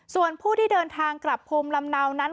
ส่วนผู้ที่เดินทางกลับภูมิลำเนานั้น